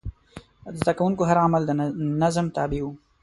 د زده کوونکو هر عمل د نظم تابع و.